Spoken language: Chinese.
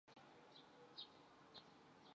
波罗兹克省行政区划和地方政府。